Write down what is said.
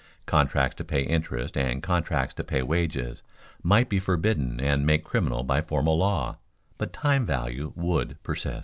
Contracts to pay interest and contracts to pay wages might be forbidden and made criminal by formal law, but time value would persist.